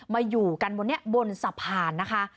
อยู่กันบนนี้บนสะพานนะคะ